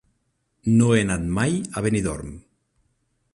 No he anat mai a Benidorm.